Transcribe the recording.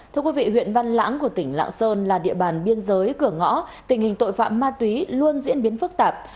thưa quý vị huyện văn lãng của tỉnh lạng sơn là địa bàn biên giới cửa ngõ tình hình tội phạm ma túy luôn diễn biến phức tạp